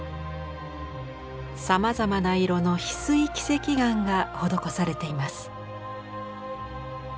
さまざまな色のヒスイ輝石岩が施されています。